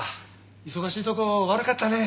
忙しいとこ悪かったね。